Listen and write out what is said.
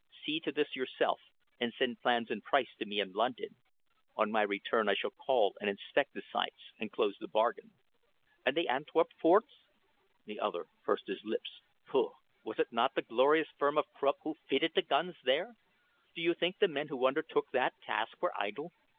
See to this yourself and send plans and price to me in London. On my return I shall call and inspect the sites and close the bargain." "And the Antwerp forts?" The other pursed his lips. "Pooh! Was it not the glorious firm of Krupp who fitted the guns there? Do you think the men who undertook that task were idle?